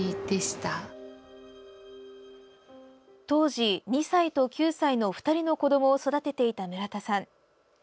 当時２歳と９歳の、２人の子どもを育てていた村田さん。